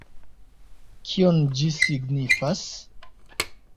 Kion ĝi signifas?